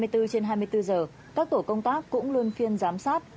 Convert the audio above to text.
hai mươi bốn trên hai mươi bốn giờ các tổ công tác cũng luôn phiên giám sát